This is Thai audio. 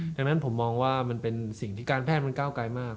ดังนั้นผมมองว่ามันเป็นสิ่งที่การแพทย์มันก้าวไกลมาก